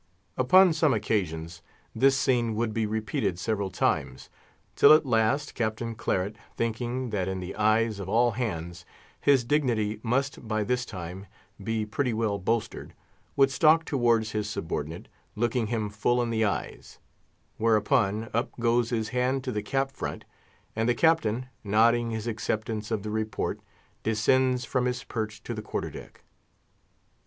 Upon some occasions this scene would be repeated several times, till at last Captain Claret, thinking, that in the eyes of all hands, his dignity must by this time be pretty well bolstered, would stalk towards his subordinate, looking him full in the eyes; whereupon up goes his hand to the cap front, and the Captain, nodding his acceptance of the report, descends from his perch to the quarter deck.